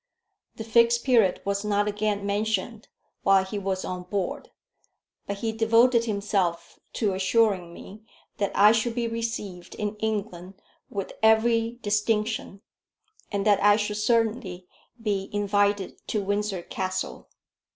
The Fixed Period was not again mentioned while he was on board; but he devoted himself to assuring me that I should be received in England with every distinction, and that I should certainly be invited to Windsor Castle.